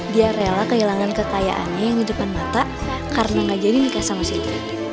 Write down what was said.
dia rela kehilangan kekayaannya yang di depan mata karena gak jadi nikah sama silvi